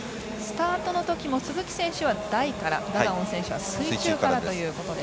スタートのときも鈴木選手は台からダダオン選手は水中から。